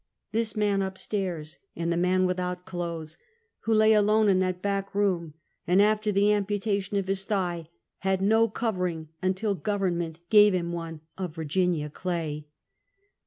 329 this man up stairs, and the man without clothes, who lay alone in that back room, and after the ampnta tation of his thigh, had no covering until government gave him one of Virginia clay.